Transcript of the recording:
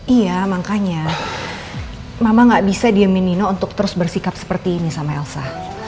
iya makanya mama gak bisa diem minino untuk terus bersikap seperti ini sama elsa